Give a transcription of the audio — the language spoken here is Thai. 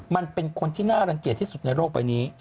เป็นคนที่น่ารังเกียจที่สุดในโลกใบนี้